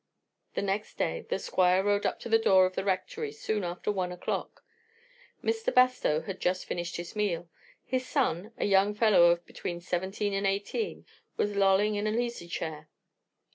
The next day the Squire rode up to the door of the Rectory soon after one o'clock. Mr. Bastow had just finished his meal; his son, a young fellow of between seventeen and eighteen, was lolling in an easy chair.